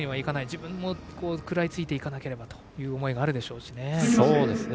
自分も食らいついていかなければという思いがあるでしょうね。